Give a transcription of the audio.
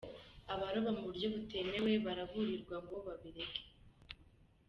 Abaroba mu buryo butemewe baraburirwa ngo babireke